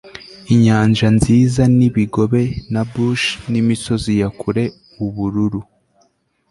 Inyanja nziza nibigobe na Bush nimisozi ya kure ubururu